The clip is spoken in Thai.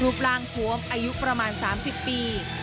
ร่างทวมอายุประมาณ๓๐ปี